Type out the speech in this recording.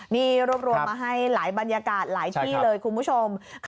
นี่รวบรวมมาให้หลายบรรยากาศหลายที่เลยคุณผู้ชม